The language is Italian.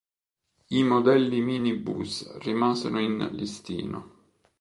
I modelli minibus rimasero in listino.